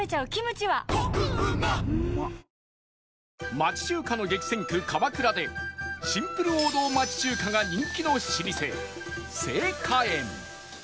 町中華の激戦区鎌倉でシンプル王道町中華が人気の老舗盛華園